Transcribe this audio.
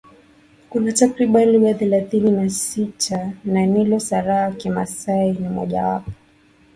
Kuna takriban lugha thelathini na sita za Nilo Sahara Kimasai ni moja wapo